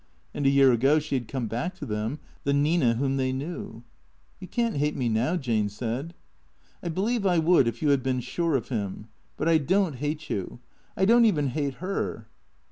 And a year ago she had come back to them, the Nina whom they knew. " You can't hate me now," Jane said. " I believe I would if you had been sure of him. But I don't hate you. I don't even hate her."